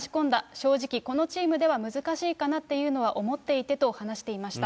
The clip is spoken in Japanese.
正直、このチームでは難しいかなというのは思っていてと話していました。